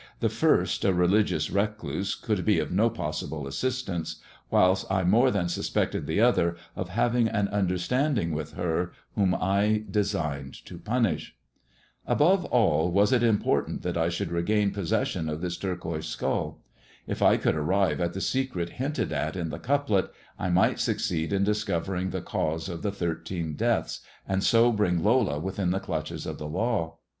The first, a religious recluse, could be of no possible assistance, whilst I more than suspected the other of having an understand ing with her whom I designed to punish. Above all was it important that I should regain posses sion of this turquoise skull. If I could arrive at the secret hinted at in the couplet, I might succeed in discovering the 'THE TALE OF THE TURQUOISE SKULL ' 237 cause of the thirteen deaths, and so bring Lola within the clutches of the law.